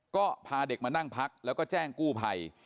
ก็พาเด็กมานั่งพักแล้วก็แจ้งกู้ภัย